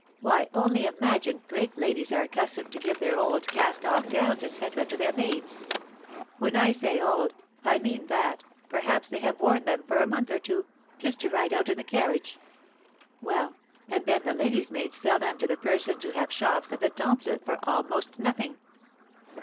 Why, only imagine, great ladies are accustomed to give their old, cast off gowns, etc., to their maids. When I say old, I mean that, perhaps, they have worn them for a month or two, just to ride out in the carriage. Well, and then the ladies' maids sell them to the persons who have shops at the Temple for almost nothing.